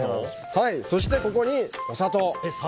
そして、ここにお砂糖。